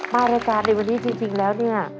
ในรายการในวันนี้จริงแล้วเนี่ย